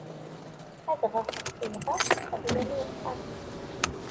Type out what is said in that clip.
Adɣaɣ ɣef udɣaɣ, ad yali uxxam.